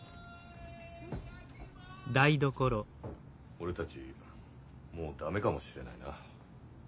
俺たちもう駄目かもしれないな。